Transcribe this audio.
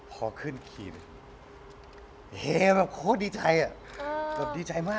พอขึ้นขี่แบบโคตรดีใจ